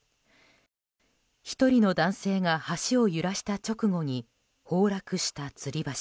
１人の男性が橋を揺らした直後に崩落したつり橋。